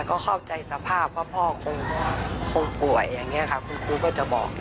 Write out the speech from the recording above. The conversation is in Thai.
ก็ขอบใจสภาพเพราะพ่อคงป่วยคุณครูก็จะธอก